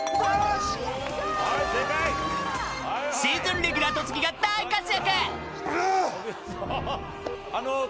シーズンレギュラーたちが大活躍。